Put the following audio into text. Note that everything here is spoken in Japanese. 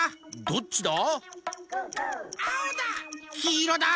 「どっちだ？」